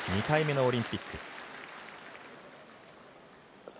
２回目のオリンピック。